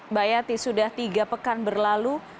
mbak yati sudah tiga pekan berlalu